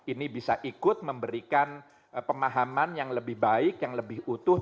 ini bisa ikut memberikan pemahaman yang lebih baik yang lebih utuh